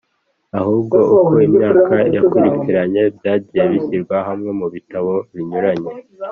ahubwo uko imyaka yakurikiranye byagiye bishyirwa hamwe mu bitabo binyuranye,